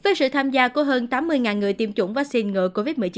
với sự tham gia của hơn tám mươi người tiêm chủng vaccine ngừa covid một mươi chín